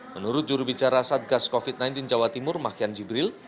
menurut jurubicara satgas covid sembilan belas jawa timur makian jibril